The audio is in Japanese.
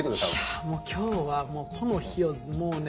いやもう今日はこの日をもうね